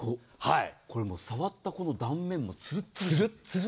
触ったこの断面もツルッツル。